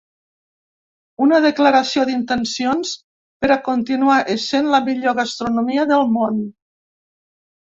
Una declaració d’intencions per a continuar essent la millor gastronomia del món.